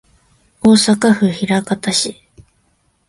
大阪府枚方市